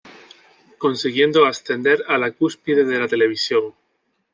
Consiguiendo ascender a la cúspide de la televisión.